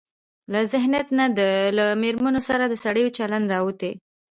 له ذهنيت نه له مېرمنو سره د سړيو چلن راوتى.